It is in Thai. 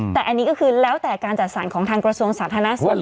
แต่อันนี้ก็คือแล้วแต่การจัดสรรของทางกระทรวงสาธารณสุข